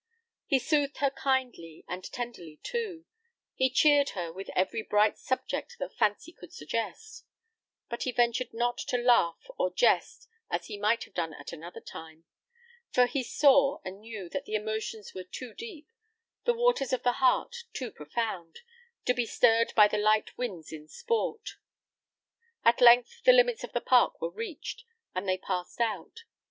He soothed her kindly, and tenderly, too; he cheered her with every bright subject that fancy could suggest; but he ventured not to laugh or jest, as he might have done at another time; for he saw and knew that the emotions were too deep, the waters of the heart too profound, to be stirred by the light winds in sport. At length the limits of the park were reached, and they passed out.